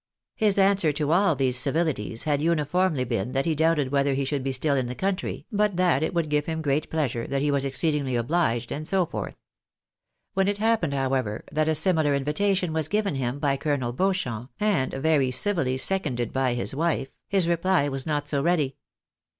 His answer to 172 THE BARNABYS IN AMERICA. air these civilities had uniformly been that he doubted whether he* should be still in the country, but that it would give him great pleasure, that he was exceedingly obliged, and so forth. When it happened, however, that a similar invitation was given him by Colonel Beauchamp, and very civilly seconded by his wife, his reply was not so ready.